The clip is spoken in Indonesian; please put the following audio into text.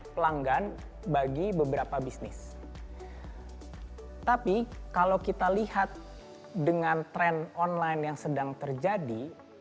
pelanggan bagi beberapa bisnis tapi kalau kita lihat dengan tren online yang sedang terjadi